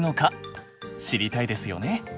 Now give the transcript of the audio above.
知りたいですよね。